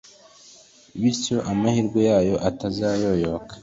bityo amahirwe yawo atazayoyoka